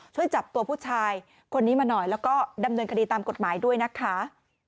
ช่วยจับตัวผู้ชายคนนี้มาหน่อยแล้วก็ดำเนินคดีตามกฎหมายด้วยนะคะ